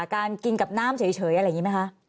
การกินกับน้ำเฉยอะไรอย่างนี้ไหมคะ